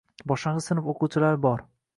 Boshlang‘ich sinf o‘quvchilari bor.